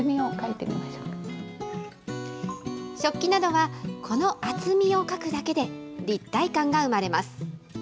食器などは、この厚みを描くだけで、立体感が生まれます。